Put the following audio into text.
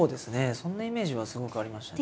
そんなイメージはすごくありましたね。